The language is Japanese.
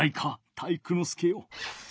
体育ノ介よ。